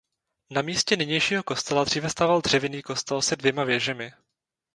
Na místě nynějšího kostela dříve stával dřevěný kostel se dvěma věžemi.